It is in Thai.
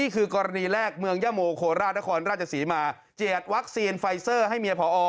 กรณีแรกเมืองย่าโมโค้ลราชราชสีมาเจียดวัคซีนไฟซอร์ให้เมียผอ